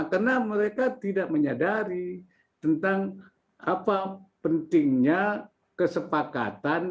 karena mereka tidak menyadari tentang apa pentingnya kesepakatan